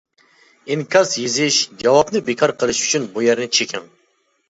ئىنكاس يېزىش جاۋابنى بىكار قىلىش ئۈچۈن بۇ يەرنى چېكىڭ.